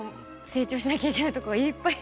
成長しなきゃいけないとこがいっぱい！